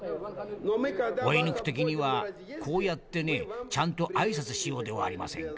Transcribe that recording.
追い抜く時にはこうやってねちゃんと挨拶しようではありませんか。